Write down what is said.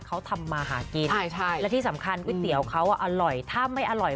เขาทำมาหากินใช่และที่สำคัญก๋วยเตี๋ยวเขาอร่อยถ้าไม่อร่อย